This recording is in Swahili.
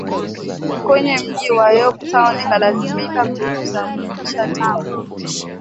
kwenye mji wa Yorktown ikalazimika kujisalimisha Tangu